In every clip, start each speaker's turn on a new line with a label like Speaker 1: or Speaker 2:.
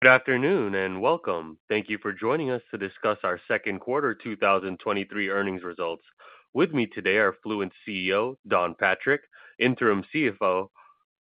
Speaker 1: Good afternoon and welcome. Thank you for joining us to discuss our second quarter 2023 earnings results. With me today are Fluent's CEO, Don Patrick, Interim CFO,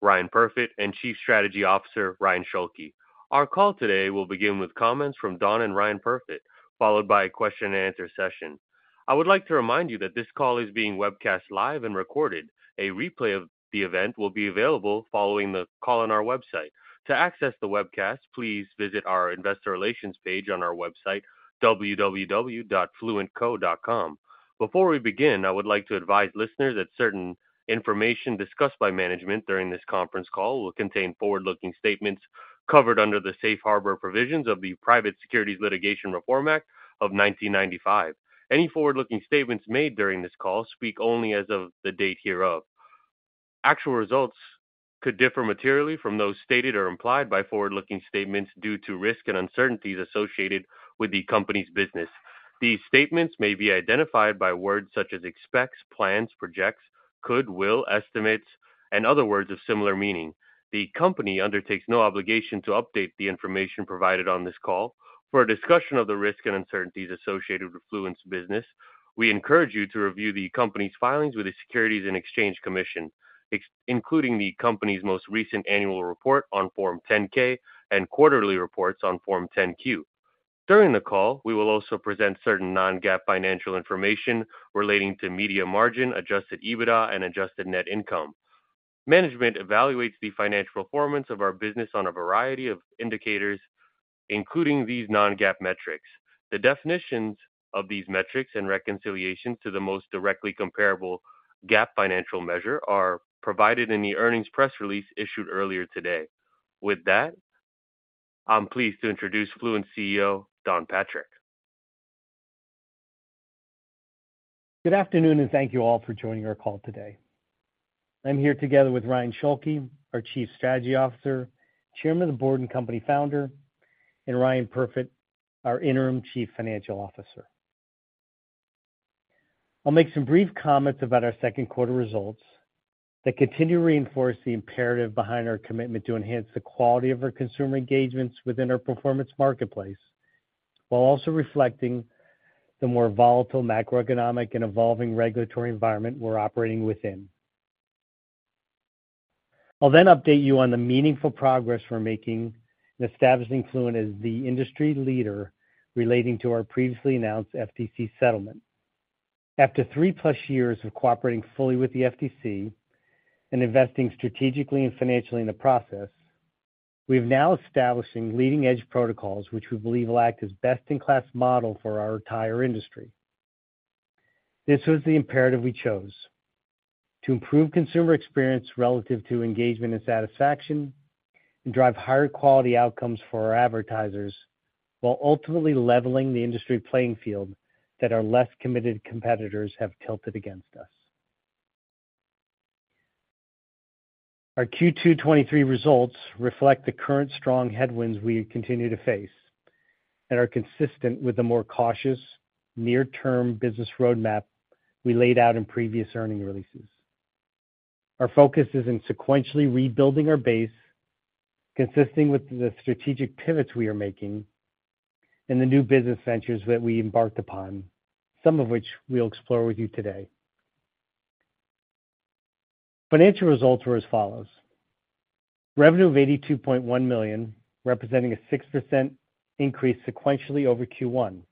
Speaker 1: Ryan Perfit, and Chief Strategy Officer, Ryan Schulke. Our call today will begin with comments from Don and Ryan Perfit, followed by a question and answer session. I would like to remind you that this call is being webcast live and recorded. A replay of the event will be available following the call on our website. To access the webcast, please visit our investor relations page on our website, www.fluentco.com. Before we begin, I would like to advise listeners that certain information discussed by management during this conference call will contain forward-looking statements covered under the safe harbor provisions of the Private Securities Litigation Reform Act of 1995. Any forward-looking statements made during this call speak only as of the date hereof. Actual results could differ materially from those stated or implied by forward-looking statements due to risks and uncertainties associated with the company's business. These statements may be identified by words such as expects, plans, projects, could, will, estimates, and other words of similar meaning. The company undertakes no obligation to update the information provided on this call. For a discussion of the risks and uncertainties associated with Fluent's business, we encourage you to review the company's filings with the Securities and Exchange Commission, including the company's most recent annual report on Form 10-K and quarterly reports on Form 10-Q. During the call, we will also present certain non-GAAP financial information relating to media margin, adjusted EBITDA, and adjusted net income. Management evaluates the financial performance of our business on a variety of indicators, including these non-GAAP metrics. The definitions of these metrics and reconciliation to the most directly comparable GAAP financial measure are provided in the earnings press release issued earlier today. With that, I'm pleased to introduce Fluent CEO, Don Patrick.
Speaker 2: Good afternoon. Thank you all for joining our call today. I'm here together with Ryan Schulke, our Chief Strategy Officer, Chairman of the Board and company founder, and Ryan Perfit, our Interim Chief Financial Officer. I'll make some brief comments about our second quarter results that continue to reinforce the imperative behind our commitment to enhance the quality of our consumer engagements within our performance marketplace, while also reflecting the more volatile macroeconomic and evolving regulatory environment we're operating within. I'll update you on the meaningful progress we're making in establishing Fluent as the industry leader relating to our previously announced FTC settlement. After 3+ years of cooperating fully with the FTC and investing strategically and financially in the process, we're now establishing leading-edge protocols, which we believe will act as best-in-class model for our entire industry. This was the imperative we chose: to improve consumer experience relative to engagement and satisfaction and drive higher quality outcomes for our advertisers, while ultimately leveling the industry playing field that our less committed competitors have tilted against us. Our Q2 2023 results reflect the current strong headwinds we continue to face and are consistent with the more cautious, near-term business roadmap we laid out in previous earning releases. Our focus is in sequentially rebuilding our base, consisting with the strategic pivots we are making and the new business ventures that we embarked upon, some of which we'll explore with you today. Financial results were as follows: Revenue of $82.1 million, representing a 6% increase sequentially over Q1.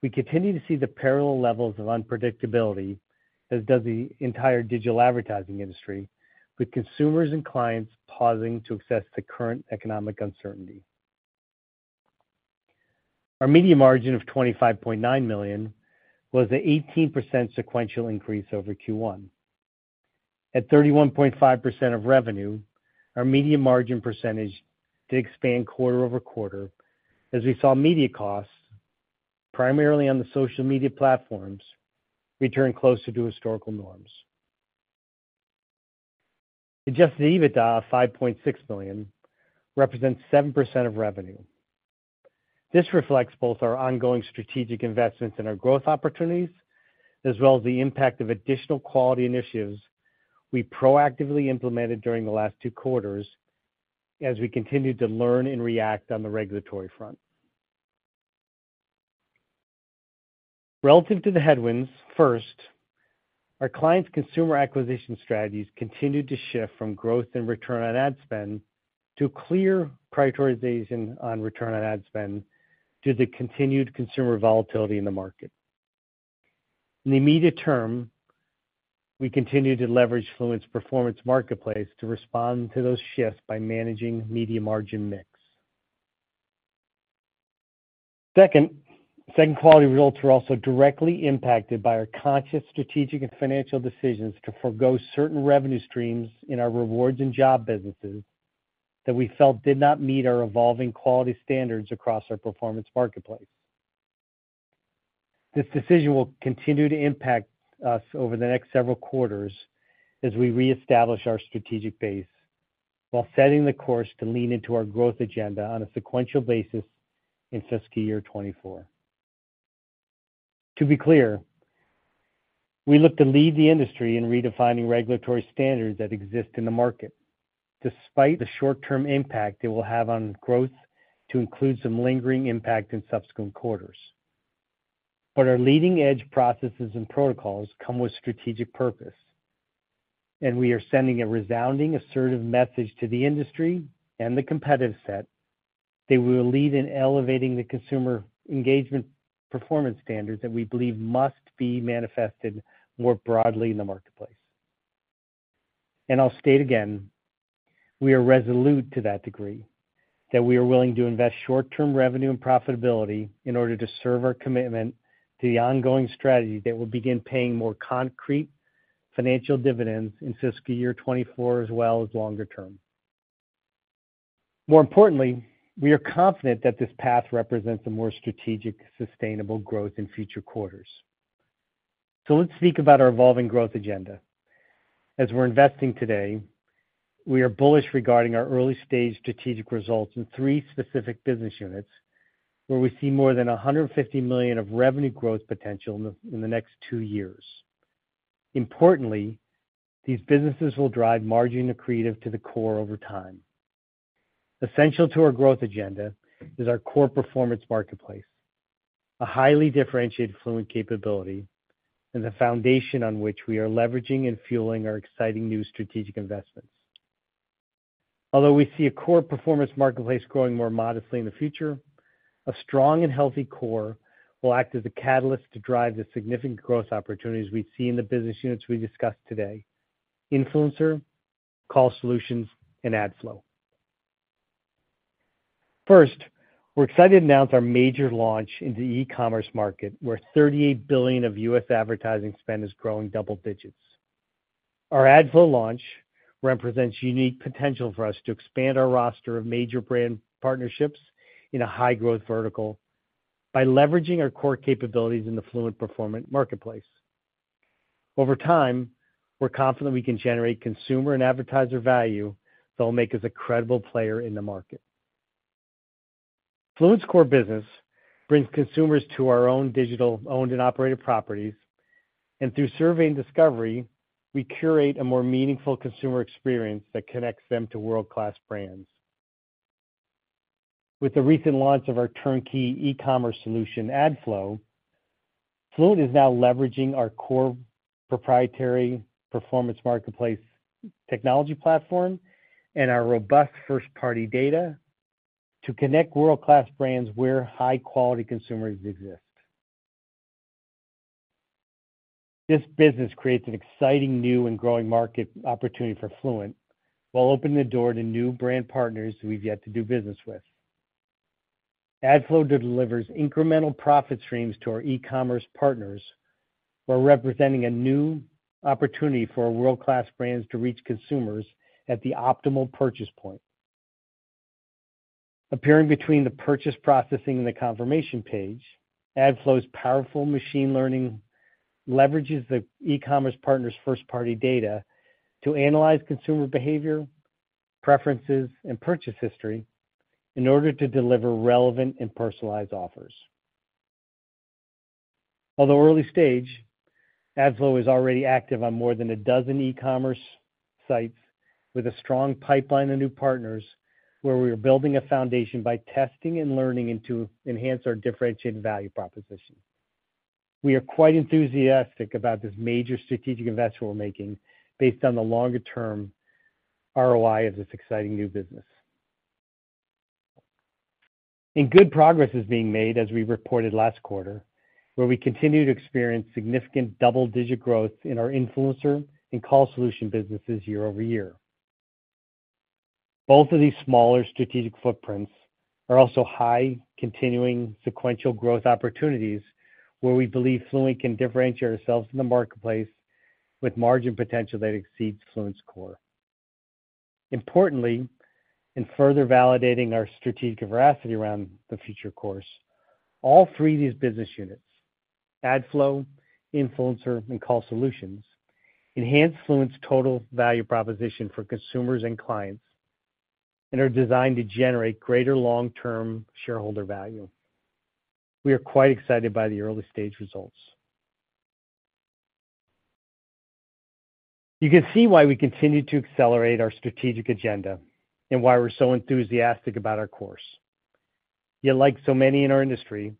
Speaker 2: We continue to see the parallel levels of unpredictability, as does the entire digital advertising industry, with consumers and clients pausing to assess the current economic uncertainty. Our media margin of $25.9 million was an 18% sequential increase over Q1. At 31.5% of revenue, our media margin percentage did expand quarter-over-quarter as we saw media costs, primarily on the social media platforms, return closer to historical norms. Adjusted EBITDA of $5.6 million represents 7% of revenue. This reflects both our ongoing strategic investments and our growth opportunities, as well as the impact of additional quality initiatives we proactively implemented during the last two quarters as we continued to learn and react on the regulatory front. Relative to the headwinds, first, our clients' consumer acquisition strategies continued to shift from growth in return on ad spend to clear prioritization on return on ad spend, due to the continued consumer volatility in the market. In the immediate term, we continue to leverage Fluent's performance marketplace to respond to those shifts by managing media margin mix. Second, quality results were also directly impacted by our conscious, strategic, and financial decisions to forgo certain revenue streams in our rewards and job businesses that we felt did not meet our evolving quality standards across our performance marketplace. This decision will continue to impact us over the next several quarters as we reestablish our strategic base while setting the course to lean into our growth agenda on a sequential basis in fiscal year 2024. To be clear, we look to lead the industry in redefining regulatory standards that exist in the market, despite the short-term impact it will have on growth, to include some lingering impact in subsequent quarters. Our leading-edge processes and protocols come with strategic purpose, and we are sending a resounding, assertive message to the industry and the competitive set that we will lead in elevating the consumer engagement performance standards that we believe must be manifested more broadly in the marketplace. I'll state again, we are resolute to that degree, that we are willing to invest short-term revenue and profitability in order to serve our commitment to the ongoing strategy that will begin paying more concrete financial dividends in fiscal year 2024, as well as longer term. More importantly, we are confident that this path represents a more strategic, sustainable growth in future quarters. Let's speak about our evolving growth agenda. As we're investing today, we are bullish regarding our early-stage strategic results in three specific business units, where we see more than $150 million of revenue growth potential in the, in the next two years. Importantly, these businesses will drive margin accretive to the core over time. Essential to our growth agenda is our core performance marketplace, a highly differentiated Fluent capability and the foundation on which we are leveraging and fueling our exciting new strategic investments. Although we see a core performance marketplace growing more modestly in the future, a strong and healthy core will act as a catalyst to drive the significant growth opportunities we see in the business units we discussed today: Influencer, Call Solutions, and AdFlow. First, we're excited to announce our major launch in the e-commerce market, where $38 billion of U.S. advertising spend is growing double digits. Our AdFlow launch represents unique potential for us to expand our roster of major brand partnerships in a high-growth vertical by leveraging our core capabilities in the Fluent performance marketplace. Over time, we're confident we can generate consumer and advertiser value that will make us a credible player in the market. Fluent's core business brings consumers to our own digital owned and operated properties, and through survey and discovery, we curate a more meaningful consumer experience that connects them to world-class brands. With the recent launch of our turnkey e-commerce solution, AdFlow, Fluent is now leveraging our core proprietary performance marketplace technology platform and our robust first-party data to connect world-class brands where high-quality consumers exist. This business creates an exciting, new, and growing market opportunity for Fluent, while opening the door to new brand partners who we've yet to do business with. AdFlow delivers incremental profit streams to our e-commerce partners, while representing a new opportunity for our world-class brands to reach consumers at the optimal purchase point. Appearing between the purchase processing and the confirmation page, AdFlow's powerful machine learning leverages the e-commerce partner's first-party data to analyze consumer behavior, preferences, and purchase history in order to deliver relevant and personalized offers. Although early stage, AdFlow is already active on more than 12 e-commerce sites with a strong pipeline of new partners, where we are building a foundation by testing and learning and to enhance our differentiated value proposition. We are quite enthusiastic about this major strategic investment we're making based on the longer-term ROI of this exciting new business. Good progress is being made, as we reported last quarter, where we continue to experience significant double-digit growth in our Influencer and Call Solutions businesses year-over-year. Both of these smaller strategic footprints are also high, continuing sequential growth opportunities, where we believe Fluent can differentiate ourselves in the marketplace with margin potential that exceeds Fluent's core. Importantly, in further validating our strategic veracity around the future course, all three of these business units, AdFlow, Influencer, and Call Solutions, enhance Fluent's total value proposition for consumers and clients and are designed to generate greater long-term shareholder value. We are quite excited by the early-stage results. You can see why we continue to accelerate our strategic agenda and why we're so enthusiastic about our course. Like so many in our industry,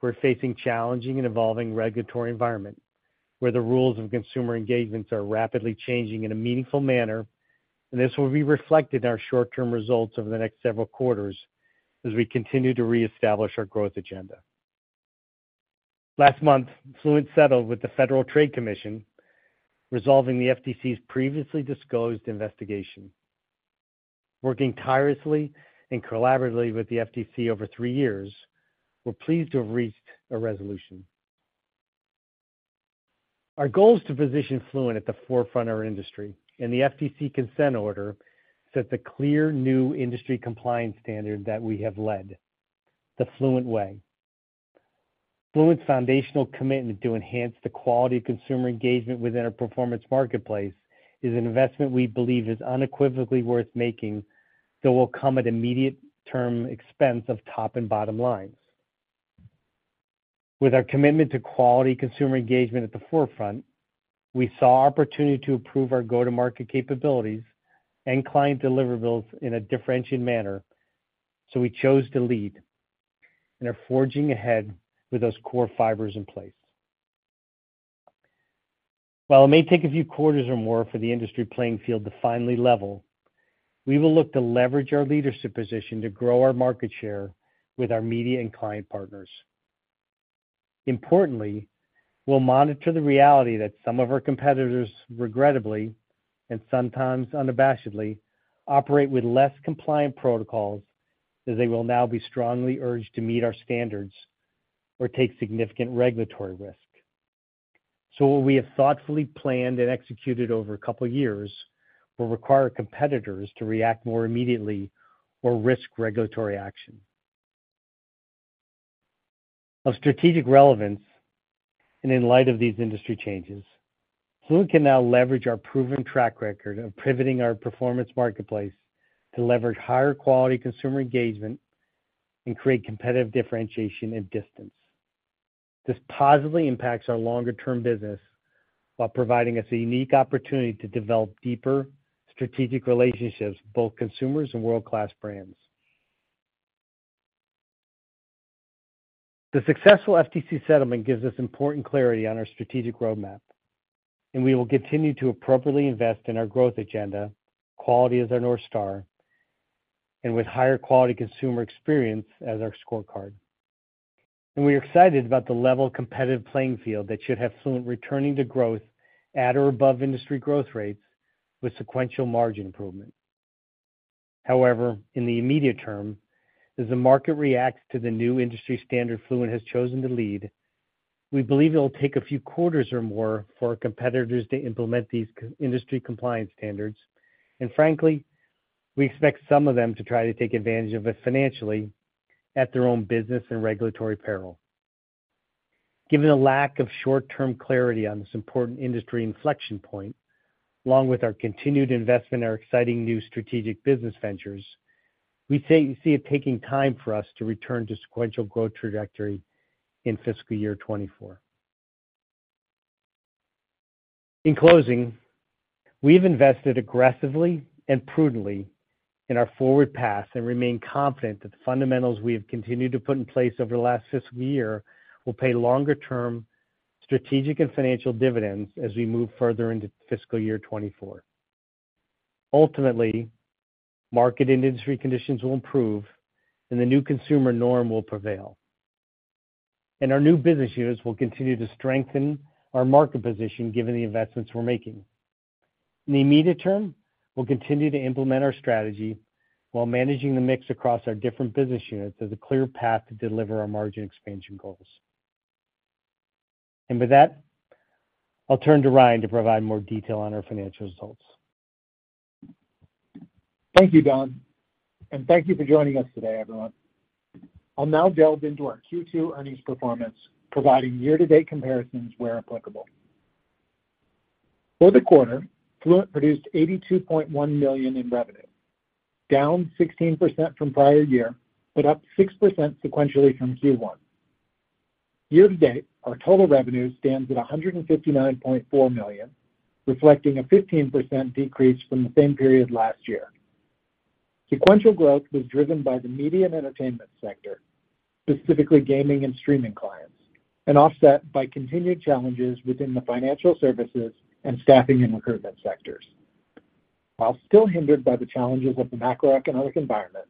Speaker 2: we're facing challenging and evolving regulatory environment, where the rules of consumer engagements are rapidly changing in a meaningful manner, and this will be reflected in our short-term results over the next several quarters as we continue to reestablish our growth agenda. Last month, Fluent settled with the Federal Trade Commission, resolving the FTC's previously disclosed investigation. Working tirelessly and collaboratively with the FTC over three years, we're pleased to have reached a resolution. Our goal is to position Fluent at the forefront of our industry. The FTC consent order sets a clear new industry compliance standard that we have led, the Fluent way. Fluent's foundational commitment to enhance the quality of consumer engagement within our performance marketplace is an investment we believe is unequivocally worth making, that will come at immediate term expense of top and bottom lines. With our commitment to quality consumer engagement at the forefront, we saw opportunity to improve our go-to-market capabilities and client deliverables in a differentiated manner. We chose to lead and are forging ahead with those core fibers in place. While it may take a few quarters or more for the industry playing field to finally level, we will look to leverage our leadership position to grow our market share with our media and client partners. Importantly, we'll monitor the reality that some of our competitors, regrettably and sometimes unabashedly, operate with less compliant protocols, as they will now be strongly urged to meet our standards or take significant regulatory risk. What we have thoughtfully planned and executed over a couple of years will require competitors to react more immediately or risk regulatory action. Of strategic relevance, and in light of these industry changes, Fluent can now leverage our proven track record of pivoting our performance marketplace to leverage higher quality consumer engagement and create competitive differentiation and distance. This positively impacts our longer-term business, while providing us a unique opportunity to develop deeper strategic relationships with both consumers and world-class brands. The successful FTC settlement gives us important clarity on our strategic roadmap, and we will continue to appropriately invest in our growth agenda, quality as our North Star, and with higher quality consumer experience as our scorecard. We are excited about the level competitive playing field that should have Fluent returning to growth at or above industry growth rates with sequential margin improvement. However, in the immediate term, as the market reacts to the new industry standard Fluent has chosen to lead, we believe it will take a few quarters or more for our competitors to implement these industry compliance standards. Frankly, we expect some of them to try to take advantage of us financially at their own business and regulatory peril. Given the lack of short-term clarity on this important industry inflection point, along with our continued investment in our exciting new strategic business ventures, we see it taking time for us to return to sequential growth trajectory in fiscal year 2024. In closing, we've invested aggressively and prudently in our forward path and remain confident that the fundamentals we have continued to put in place over the last fiscal year will pay longer-term strategic and financial dividends as we move further into fiscal year 2024. Ultimately, market and industry conditions will improve, and the new consumer norm will prevail, and our new business units will continue to strengthen our market position, given the investments we're making. In the immediate term, we'll continue to implement our strategy while managing the mix across our different business units as a clear path to deliver our margin expansion goals. With that, I'll turn to Ryan to provide more detail on our financial results.
Speaker 3: Thank you, Don. Thank you for joining us today, everyone. I'll now delve into our Q2 earnings performance, providing year-to-date comparisons where applicable. For the quarter, Fluent produced $82.1 million in revenue, down 16% from prior year, up 6% sequentially from Q1. Year-to-date, our total revenue stands at $159.4 million, reflecting a 15% decrease from the same period last year. Sequential growth was driven by the media and entertainment sector, specifically gaming and streaming clients, offset by continued challenges within the financial services and staffing and recruitment sectors. While still hindered by the challenges of the macroeconomic environment,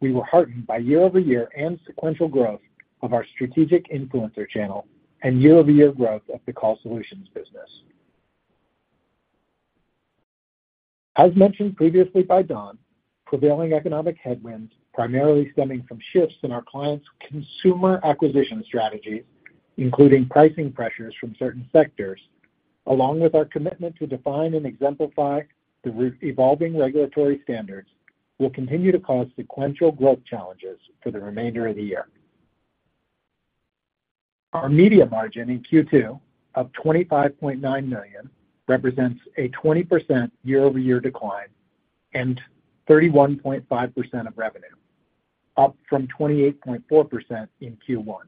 Speaker 3: we were heartened by year-over-year and sequential growth of our strategic Influencer channel and year-over-year growth of the Call Solutions business. As mentioned previously by Don, prevailing economic headwinds, primarily stemming from shifts in our clients' consumer acquisition strategies, including pricing pressures from certain sectors, along with our commitment to define and exemplify the re-evolving regulatory standards, will continue to cause sequential growth challenges for the remainder of the year. Our media margin in Q2 of $25.9 million represents a 20% year-over-year decline and 31.5% of revenue, up from 28.4% in Q1.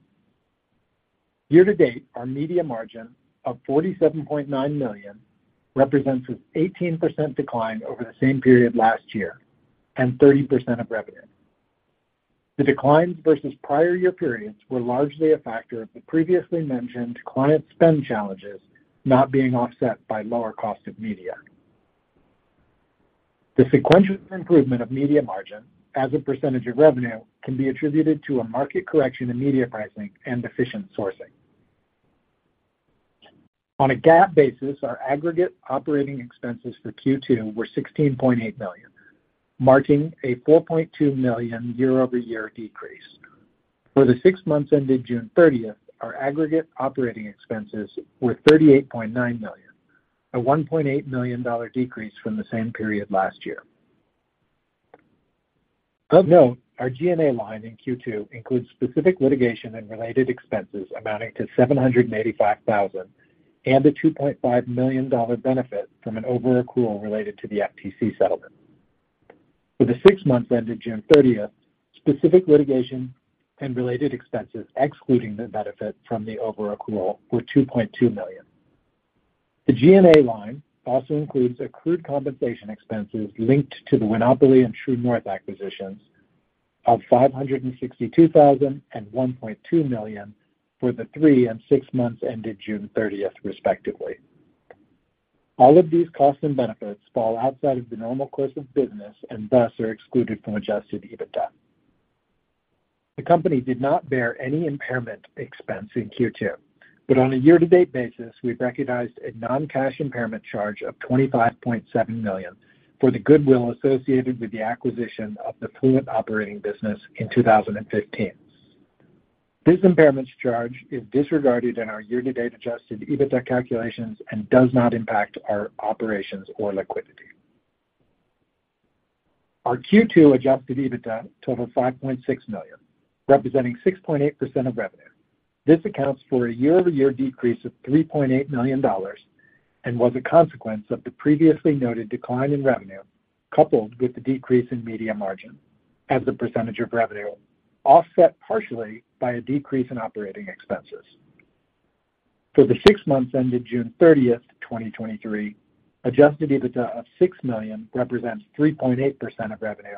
Speaker 3: Year-to-date, our media margin of $47.9 million represents an 18% decline over the same period last year and 30% of revenue. The declines versus prior year periods were largely a factor of the previously mentioned client spend challenges not being offset by lower cost of media. The sequential improvement of media margin as a percentage of revenue can be attributed to a market correction in media pricing and efficient sourcing. On a GAAP basis, our aggregate operating expenses for Q2 were $16.8 million, marking a $4.2 million year-over-year decrease. For the six months ended June 30th, our aggregate operating expenses were $38.9 million, a $1.8 million decrease from the same period last year. Of note, our G&A line in Q2 includes specific litigation and related expenses amounting to $785,000, and a $2.5 million benefit from an overaccrual related to the FTC settlement. For the six months ended June 30th, specific litigation and related expenses, excluding the benefit from the overaccrual, were $2.2 million. The G&A line also includes accrued compensation expenses linked to the Winopoly and True North acquisitions of $562,000 and $1.2 million for the three and six months ended June 30th, respectively. All of these costs and benefits fall outside of the normal course of business and thus are excluded from adjusted EBITDA. The company did not bear any impairment expense in Q2, but on a year-to-date basis, we've recognized a non-cash impairment charge of $25.7 million for the goodwill associated with the acquisition of the Fluent operating business in 2015. This impairment charge is disregarded in our year-to-date adjusted EBITDA calculations and does not impact our operations or liquidity. Our Q2 adjusted EBITDA totaled $5.6 million, representing 6.8% of revenue. This accounts for a year-over-year decrease of $3.8 million, was a consequence of the previously noted decline in revenue, coupled with the decrease in media margin as a percentage of revenue, offset partially by a decrease in operating expenses. For the six months ended June 30th, 2023, adjusted EBITDA of $6 million represents 3.8% of revenue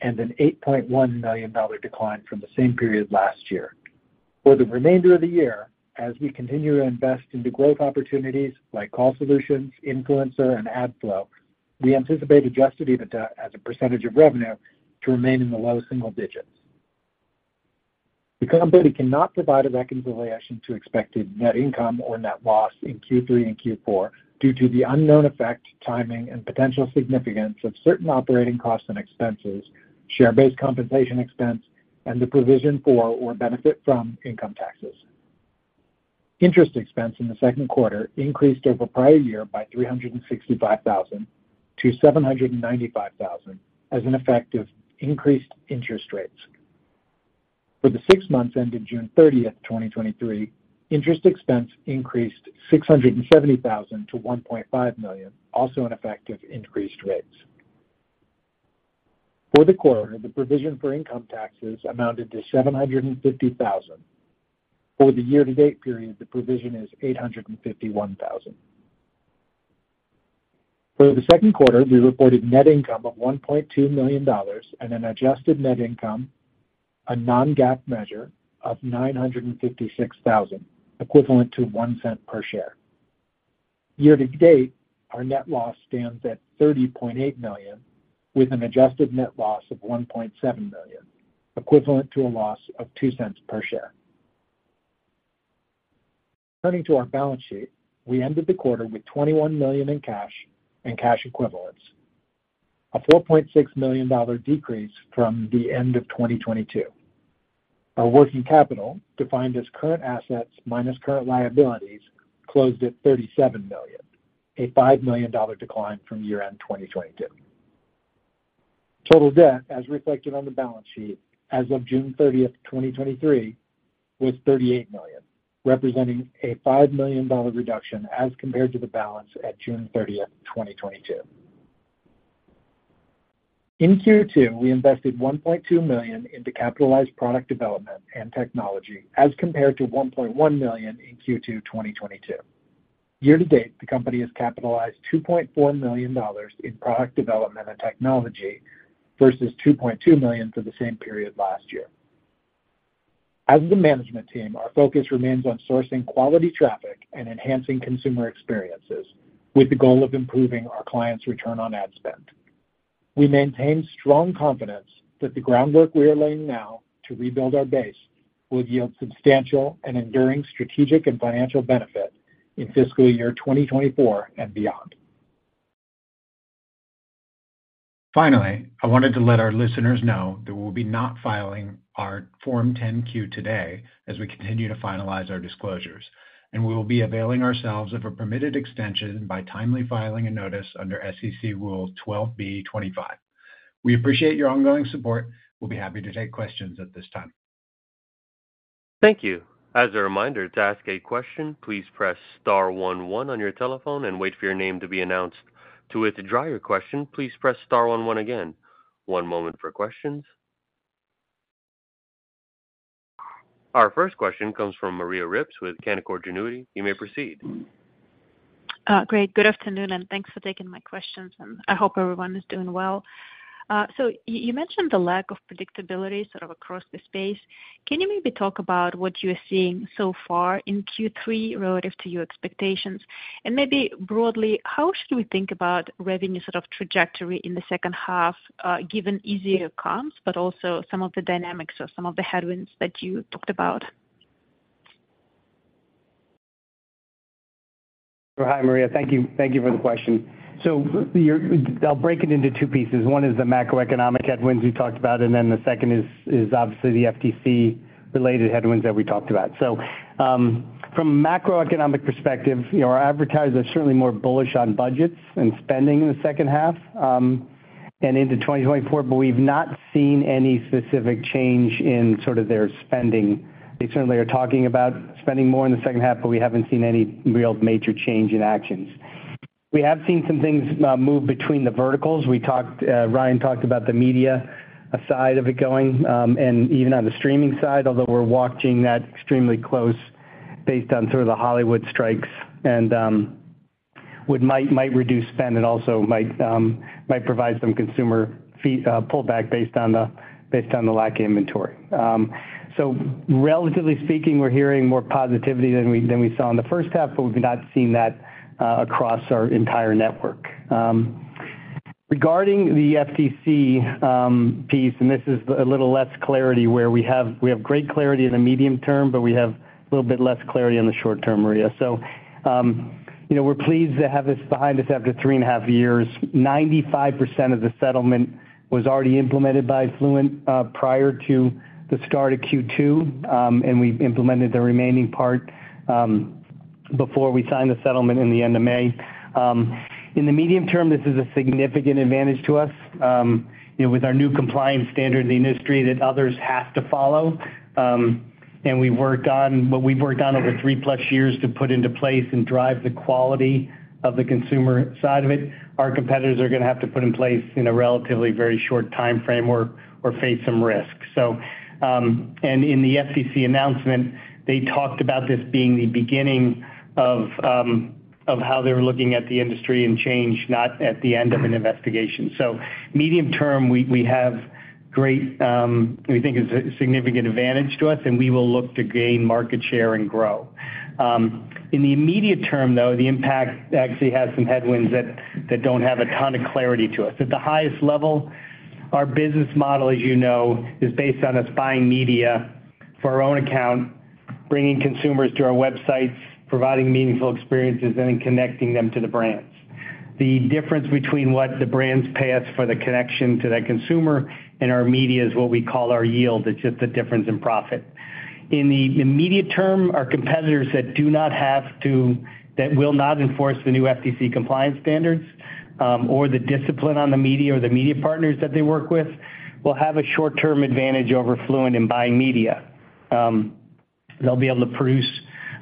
Speaker 3: and an $8.1 million decline from the same period last year. For the remainder of the year, as we continue to invest into growth opportunities like Call Solutions, Influencer, and AdFlow, we anticipate adjusted EBITDA as a percentage of revenue to remain in the low single digits. The company cannot provide a reconciliation to expected net income or net loss in Q3 and Q4 due to the unknown effect, timing, and potential significance of certain operating costs and expenses, share-based compensation expense, and the provision for or benefit from income taxes. Interest expense in the second quarter increased over prior year by $365,000-$795,000 as an effect of increased interest rates. For the six months ended June 30th, 2023, interest expense increased $670,000-$1.5 million, also an effect of increased rates. For the quarter, the provision for income taxes amounted to $750,000. For the year-to-date period, the provision is $851,000. For the second quarter, we reported net income of $1.2 million and an adjusted net income, a non-GAAP measure, of $956,000, equivalent to $0.01 per share. Year to date, our net loss stands at $30.8 million, with an adjusted net loss of $1.7 million, equivalent to a loss of $0.02 per share. Turning to our balance sheet, we ended the quarter with $21 million in cash and cash equivalents, a $4.6 million decrease from the end of 2022. Our working capital, defined as current assets minus current liabilities, closed at $37 million, a $5 million decline from year-end 2022. Total debt, as reflected on the balance sheet as of June 30th, 2023, was $38 million, representing a $5 million reduction as compared to the balance at June 30th, 2022. In Q2, we invested $1.2 million into capitalized product development and technology, as compared to $1.1 million in Q2, 2022. Year to date, the company has capitalized $2.4 million in product development and technology versus $2.2 million for the same period last year. As the management team, our focus remains on sourcing quality traffic and enhancing consumer experiences with the goal of improving our clients' return on ad spend. We maintain strong confidence that the groundwork we are laying now to rebuild our base will yield substantial and enduring strategic and financial benefit in fiscal year 2024 and beyond. Finally, I wanted to let our listeners know that we'll be not filing our Form 10-Q today as we continue to finalize our disclosures, and we will be availing ourselves of a permitted extension by timely filing a notice under SEC Rule 12b-25. We appreciate your ongoing support. We'll be happy to take questions at this time.
Speaker 1: Thank you. As a reminder, to ask a question, please press star one one on your telephone and wait for your name to be announced. To withdraw your question, please press star one one again. One moment for questions. Our first question comes from Maria Ripps with Canaccord Genuity. You may proceed.
Speaker 4: Great. Good afternoon. Thanks for taking my questions, and I hope everyone is doing well. You, you mentioned the lack of predictability sort of across the space. Can you maybe talk about what you are seeing so far in Q3 relative to your expectations? Maybe broadly, how should we think about revenue sort of trajectory in the second half, given easier comps, but also some of the dynamics or some of the headwinds that you talked about?
Speaker 2: Hi, Maria. Thank you. Thank you for the question. I'll break it into two pieces. One is the macroeconomic headwinds we talked about, and then the second is obviously the FTC-related headwinds that we talked about. From a macroeconomic perspective, you know, our advertisers are certainly more bullish on budgets and spending in the second half. Into 2024, we've not seen any specific change in sort of their spending. They certainly are talking about spending more in the second half, we haven't seen any real major change in actions. We have seen some things move between the verticals. We talked, Ryan talked about the media side of it going, and even on the streaming side, although we're watching that extremely close based on sort of the Hollywood strikes, and what might, might reduce spend and also might provide some consumer fee pullback based on the, based on the lack of inventory. Relatively speaking, we're hearing more positivity than we, than we saw in the first half, we've not seen that across our entire network. Regarding the FTC piece, this is a little less clarity, where we have, we have great clarity in the medium term, but we have a little bit less clarity on the short term, Maria. You know, we're pleased to have this behind us after three and a half years. 95% of the settlement was already implemented by Fluent prior to the start of Q2, and we've implemented the remaining part before we signed the settlement in the end of May. In the medium term, this is a significant advantage to us, you know, with our new compliance standard in the industry that others have to follow. We've worked on what we've worked on over 3+ years to put into place and drive the quality of the consumer side of it, our competitors are gonna have to put in place in a relatively very short timeframe or, or face some risks. In the FTC announcement, they talked about this being the beginning of, of how they were looking at the industry and change, not at the end of an investigation. Medium term, we, we have great, we think is a significant advantage to us, and we will look to gain market share and grow. In the immediate term, though, the impact actually has some headwinds that, that don't have a ton of clarity to us. At the highest level, our business model, as you know, is based on us buying media for our own account, bringing consumers to our websites, providing meaningful experiences, and then connecting them to the brands. The difference between what the brands pay us for the connection to that consumer and our media is what we call our yield. It's just the difference in profit. In the immediate term, our competitors that will not enforce the new FTC compliance standards, or the discipline on the media or the media partners that they work with, will have a short-term advantage over Fluent in buying media. They'll be able to produce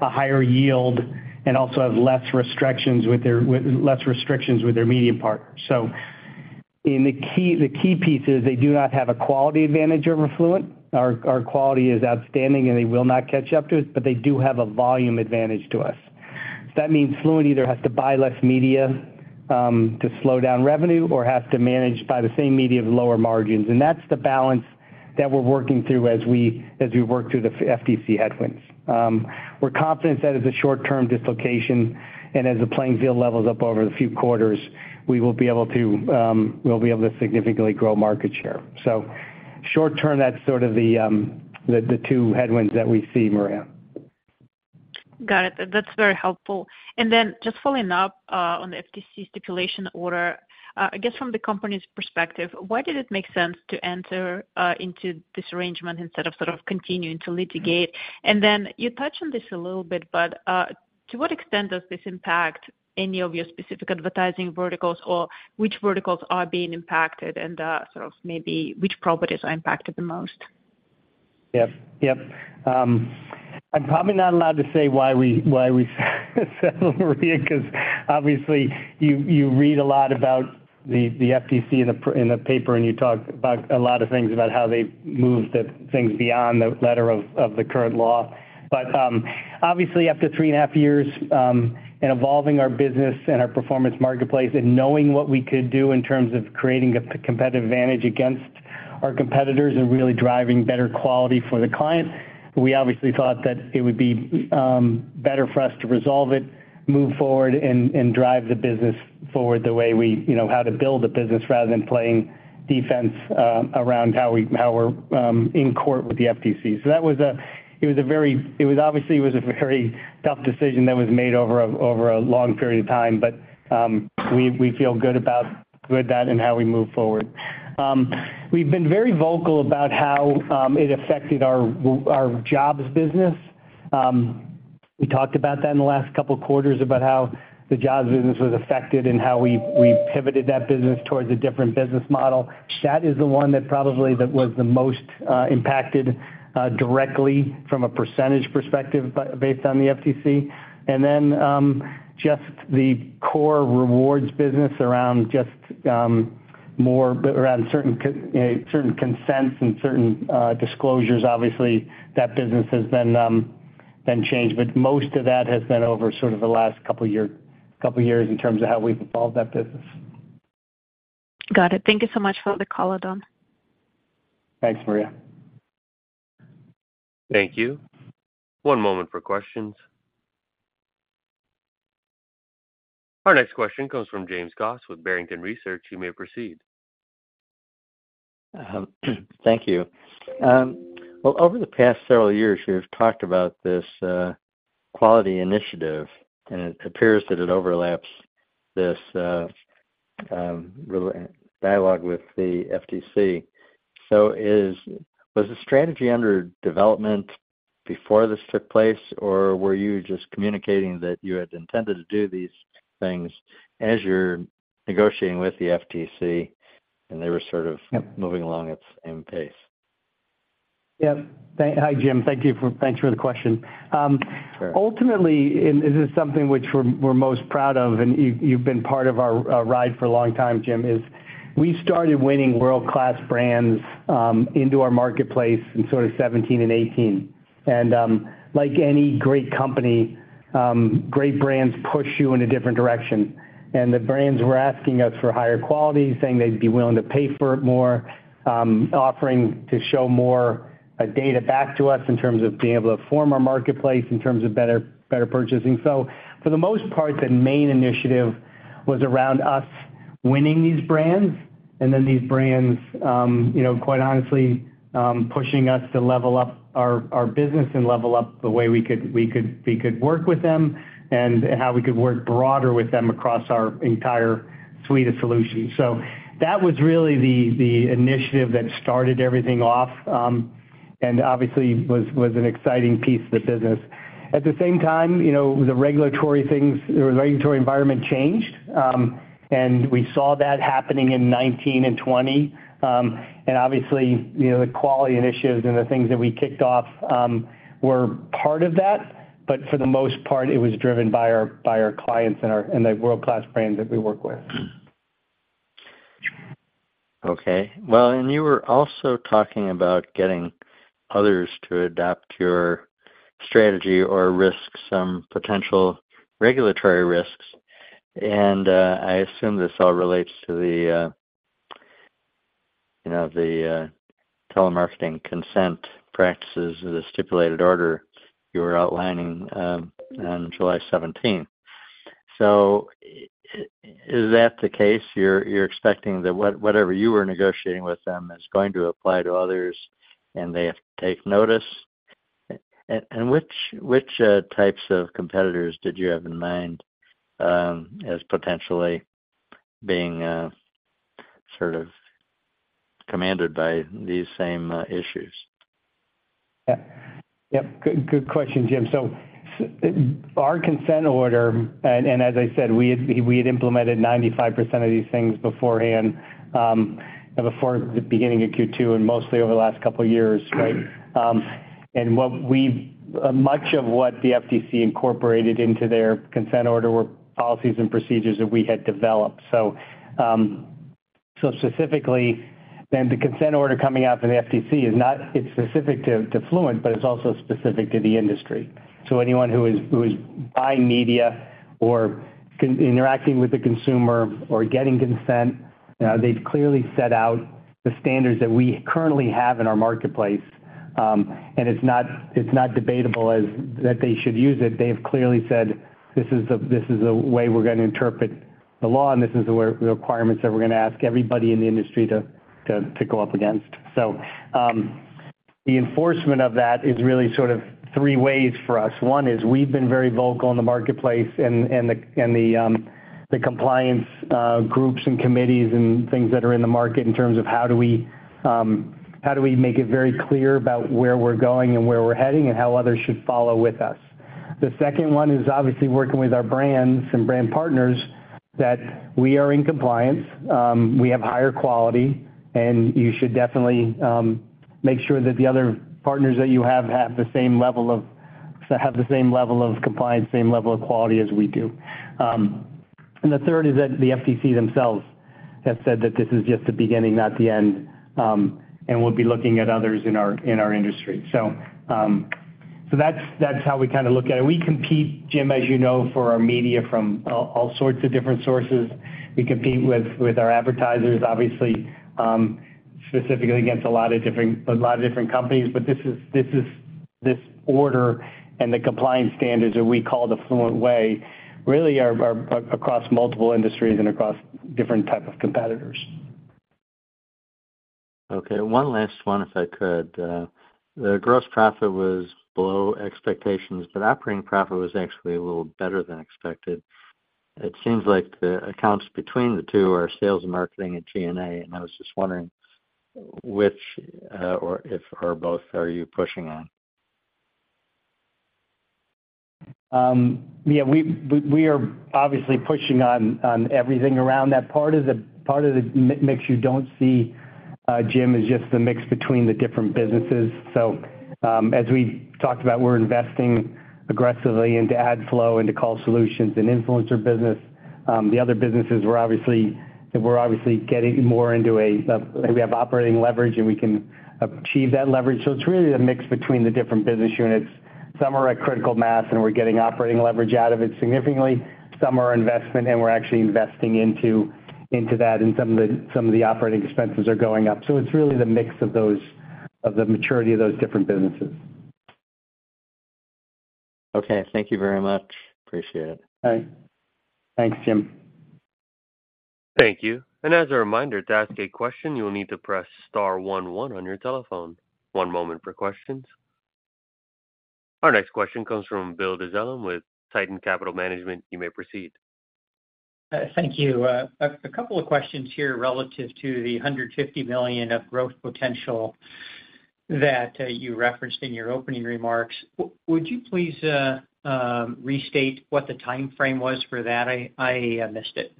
Speaker 2: a higher yield and also have less restrictions with their media partner. In the key, the key piece is they do not have a quality advantage over Fluent. Our, our quality is outstanding, and they will not catch up to us, but they do have a volume advantage to us. That means Fluent either has to buy less media to slow down revenue or has to manage to buy the same media with lower margins, and that's the balance that we're working through as we, as we work through the FTC headwinds. We're confident that is a short-term dislocation, and as the playing field levels up over a few quarters, we will be able to, we'll be able to significantly grow market share. Short term, that's sort of the, the two headwinds that we see, Maria.
Speaker 4: Got it. That's very helpful. Then just following up on the FTC stipulation order, I guess from the company's perspective, why did it make sense to enter into this arrangement instead of sort of continuing to litigate? Then you touched on this a little bit, but to what extent does this impact any of your specific advertising verticals, or which verticals are being impacted and sort of maybe which properties are impacted the most?
Speaker 2: Yep. Yep. I'm probably not allowed to say why we, why we settled, Maria, because obviously, you, you read a lot about the, the FTC in the paper, and you talk about a lot of things about how they've moved the things beyond the letter of, of the current law. Obviously, after three and a half years, in evolving our business and our performance marketplace and knowing what we could do in terms of creating a competitive advantage against our competitors and really driving better quality for the client, we obviously thought that it would be better for us to resolve it, move forward, and, and drive the business forward the way we, you know, how to build a business rather than playing defense, around how we, how we're, in court with the FTC. That was it was a very -- it was obviously, it was a very tough decision that was made over a long period of time. We, we feel good about with that and how we move forward. We've been very vocal about how it affected our jobs business. We talked about that in the last couple of quarters, about how the jobs business was affected and how we, we pivoted that business towards a different business model. Chat is the one that probably, that was the most impacted directly from a percentage perspective, based on the FTC. Just the core rewards business around just more around certain, you know, certain consents and certain disclosures. That business has been changed, but most of that has been over sort of the last couple years in terms of how we've evolved that business.
Speaker 4: Got it. Thank you so much for the call, Don.
Speaker 2: Thanks, Maria.
Speaker 1: Thank you. One moment for questions. Our next question comes from James Goss with Barrington Research. You may proceed.
Speaker 5: Thank you. Well, over the past several years, you've talked about this quality initiative, and it appears that it overlaps this dialogue with the FTC. Was the strategy under development before this took place, or were you just communicating that you had intended to do these things as you're negotiating with the FTC, and they were sort of?
Speaker 2: Yep.
Speaker 5: moving along at the same pace?
Speaker 2: Yep. Hi, Jim. Thank you thanks for the question.
Speaker 5: Sure.
Speaker 2: Ultimately, and this is something which we're, we're most proud of, and you've, you've been part of our, our ride for a long time, Jim, is we started winning world-class brands into our marketplace in sort of 2017 and 2018. Like any great company, great brands push you in a different direction. The brands were asking us for higher quality, saying they'd be willing to pay for it more, offering to show more data back to us in terms of being able to form our marketplace, in terms of better, better purchasing. For the most part, the main initiative was around us winning these brands, and then these brands, you know, quite honestly, pushing us to level up our, our business and level up the way we could, we could, we could work with them, and how we could work broader with them across our entire suite of solutions. That was really the, the initiative that started everything off, and obviously, was, was an exciting piece of the business. At the same time, you know, the regulatory things, the regulatory environment changed, and we saw that happening in 2019 and 2020. Obviously, you know, the quality initiatives and the things that we kicked off, were part of that, but for the most part, it was driven by our, by our clients and our and the world-class brands that we work with.
Speaker 5: Okay. Well, you were also talking about getting others to adopt your strategy or risk some potential regulatory risks. I assume this all relates to the, you know, the telemarketing consent practices or the stipulated order you were outlining on July 17th. Is that the case? You're, you're expecting that whatever you were negotiating with them is going to apply to others, and they have to take notice? Which, which types of competitors did you have in mind as potentially being sort of commanded by these same issues?
Speaker 2: Yeah. Yep. Good, good question, Jim. Our consent order, and, as I said, we had, we had implemented 95% of these things beforehand, before the beginning of Q2, and mostly over the last couple of years, right? Much of what the FTC incorporated into their consent order were policies and procedures that we had developed. Specifically, then the consent order coming out from the FTC is not, it's specific to, to Fluent, but it's also specific to the industry. Anyone who is, who is buying media or interacting with the consumer or getting consent, they've clearly set out the standards that we currently have in our marketplace. It's not, it's not debatable as that they should use it. They've clearly said, "This is the, this is the way we're going to interpret the law, and this is the requirements that we're going to ask everybody in the industry to go up against." The enforcement of that is really sort of three ways for us. One is we've been very vocal in the marketplace and the compliance groups and committees and things that are in the market in terms of how do we make it very clear about where we're going and where we're heading, and how others should follow with us? The second one is obviously working with our brands and brand partners, that we are in compliance, we have higher quality, and you should definitely make sure that the other partners that you have, have the same level of, have the same level of compliance, same level of quality as we do. The third is that the FTC themselves have said that this is just the beginning, not the end, and we'll be looking at others in our, in our industry. That's, that's how we kind of look at it. We compete, Jim, as you know, for our media from all, all sorts of different sources. We compete with, with our advertisers, obviously, specifically against a lot of different, a lot of different companies. This is, this is... This order and the compliance standards that we call the Fluent way, really are, are across multiple industries and across different type of competitors.
Speaker 5: Okay, one last one, if I could. The gross profit was below expectations, but operating profit was actually a little better than expected. It seems like the accounts between the two are sales and marketing and G&A, and I was just wondering which, or if or both, are you pushing on?
Speaker 2: Yeah, we, we, we are obviously pushing on, on everything around that. Part of the, part of the mix you don't see, Jim, is just the mix between the different businesses. As we talked about, we're investing aggressively into AdFlow, into Call Solutions and Influencer business. The other businesses, we're obviously getting more into a, we have operating leverage, and we can achieve that leverage. It's really a mix between the different business units. Some are at critical mass, and we're getting operating leverage out of it significantly. Some are investment, and we're actually investing into, into that, and some of the, some of the operating expenses are going up. It's really the mix of the maturity of those different businesses.
Speaker 5: Okay, thank you very much. Appreciate it.
Speaker 2: Bye. Thanks, Jim.
Speaker 1: Thank you. As a reminder, to ask a question, you will need to press star 11 on your telephone. One moment for questions. Our next question comes from Bill Dezellem with Tieton Capital Management. You may proceed.
Speaker 6: Thank you. A couple of questions here relative to the $150 million of growth potential that you referenced in your opening remarks. Would you please restate what the time frame was for that? I, I missed it.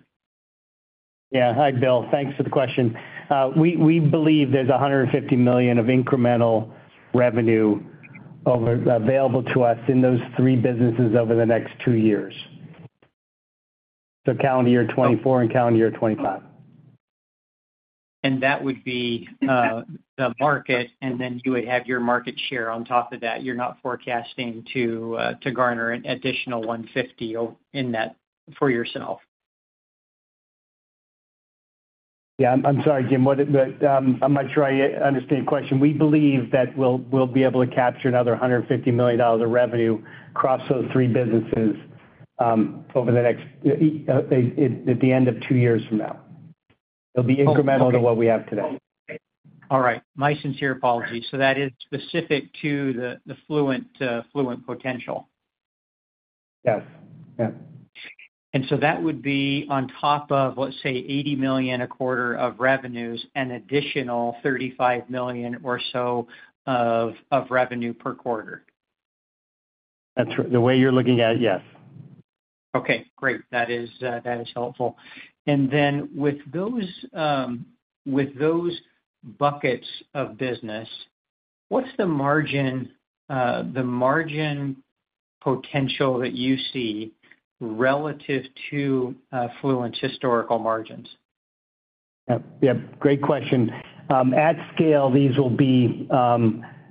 Speaker 2: Yeah. Hi, Bill. Thanks for the question. We, we believe there's $150 million of incremental revenue available to us in those three businesses over the next two years, calendar year 2024 and calendar year 2025.
Speaker 6: That would be the market, then you would have your market share on top of that. You're not forecasting to garner an additional 150 in that for yourself?
Speaker 2: Yeah. I'm, I'm sorry, Bill, what did... I'm not sure I understand your question. We believe that we'll, we'll be able to capture another $150 million of revenue across those three businesses, over the next, at, at the end of two years from now. It'll be incremental to what we have today.
Speaker 6: All right. My sincere apologies. That is specific to the, the Fluent, Fluent potential?
Speaker 2: Yes. Yeah.
Speaker 6: So that would be on top of, let's say, $80 million a quarter of revenues and additional $35 million or so of revenue per quarter?
Speaker 2: That's true. The way you're looking at it, yes.
Speaker 6: Okay, great. That is, that is helpful. Then with those, with those buckets of business, what's the margin, the margin potential that you see relative to Fluent's historical margins?
Speaker 2: Yeah, yeah, great question. At scale, these will be,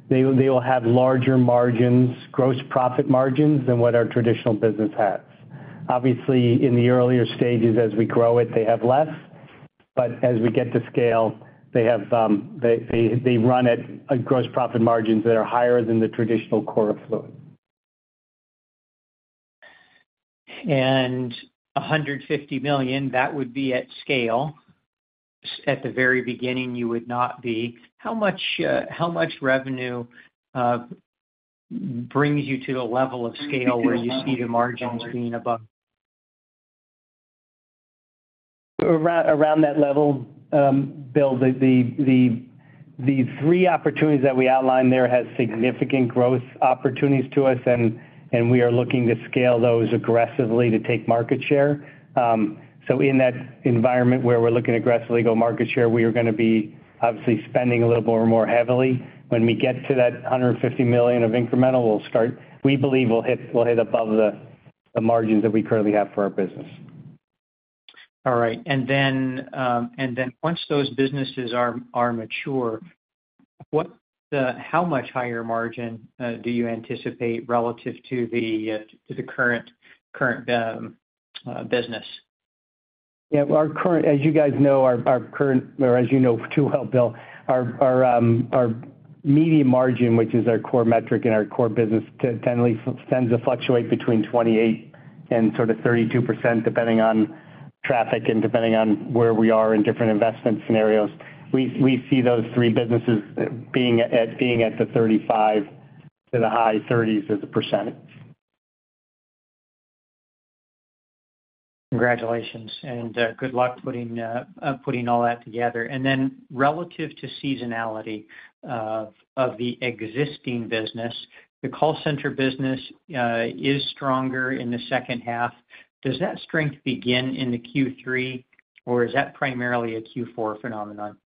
Speaker 2: they will have larger margins, gross profit margins, than what our traditional business has. Obviously, in the earlier stages, as we grow it, they have less, but as we get to scale, they have, they, they, they run at a gross profit margins that are higher than the traditional core of Fluent.
Speaker 6: $150 million, that would be at scale. At the very beginning, you would not be. How much revenue brings you to a level of scale where you see the margins being above?
Speaker 2: Around, around that level, Bill, the three opportunities that we outlined there has significant growth opportunities to us, and we are looking to scale those aggressively to take market share. In that environment where we're looking to aggressively go market share, we are gonna be obviously spending a little more and more heavily. When we get to that $150 million of incremental, We believe we'll hit above the margins that we currently have for our business.
Speaker 6: All right. And then once those businesses are, are mature, what how much higher margin do you anticipate relative to the current, current business?
Speaker 2: Yeah, well, our current, as you guys know, our, our current, or as you know too well, Bill, our, our, our media margin, which is our core metric and our core business, tends to fluctuate between 28% and sort of 32%, depending on traffic and depending on where we are in different investment scenarios. We, we see those three businesses being at, being at the 35% to the high 30%.
Speaker 6: Congratulations, and good luck putting, putting all that together. Relative to seasonality, of the existing business, the call center business, is stronger in the second half. Does that strength begin in the Q3, or is that primarily a Q4 phenomenon?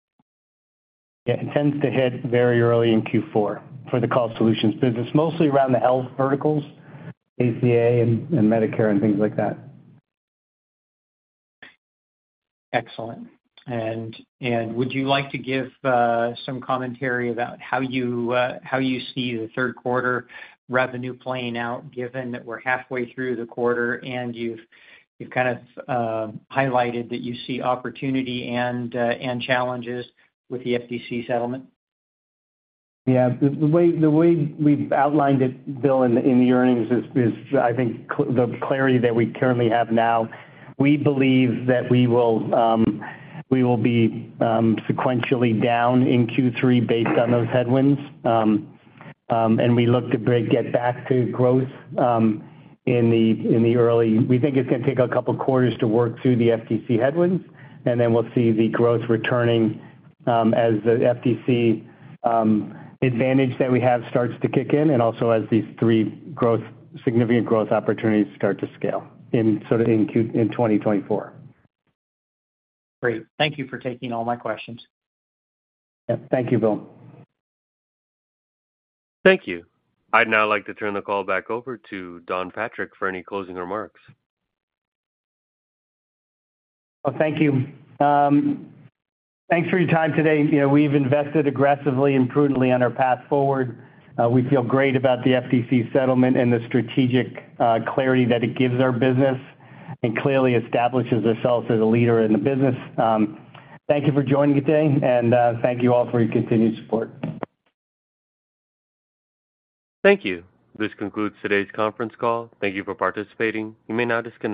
Speaker 2: Yeah, it tends to hit very early in Q4 for the Call Solutions business, mostly around the health verticals, ACA and, and Medicare, and things like that.
Speaker 6: Excellent. Would you like to give some commentary about how you how you see the third quarter revenue playing out, given that we're halfway through the quarter and you've, you've kind of highlighted that you see opportunity and challenges with the FTC settlement?
Speaker 2: Yeah. The, the way, the way we've outlined it, Bill, in the, in the earnings is, is I think the clarity that we currently have now. We believe that we will, we will be sequentially down in Q3 based on those headwinds. We look to get back to growth in the, in the early... We think it's gonna take a couple quarters to work through the FTC headwinds, and then we'll see the growth returning as the FTC advantage that we have starts to kick in, and also as these three growth, significant growth opportunities start to scale in, sort of in 2024.
Speaker 6: Great. Thank you for taking all my questions.
Speaker 2: Yeah. Thank you, Bill.
Speaker 1: Thank you. I'd now like to turn the call back over to Don Patrick for any closing remarks.
Speaker 2: Well, thank you. Thanks for your time today. You know, we've invested aggressively and prudently on our path forward. We feel great about the FTC settlement and the strategic clarity that it gives our business and clearly establishes ourselves as a leader in the business. Thank you for joining me today, and thank you all for your continued support.
Speaker 1: Thank you. This concludes today's conference call. Thank you for participating. You may now disconnect.